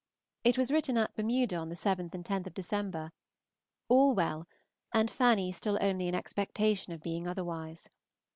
It was written at Bermuda on the 7th and 10th of December. All well, and Fanny still only in expectation of being otherwise.